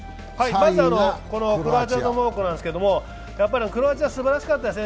まずはクロアチアとモロッコなんですがクロアチアすばらしかったですね。